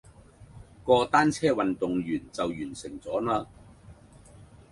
個單車運動員就完成咗啦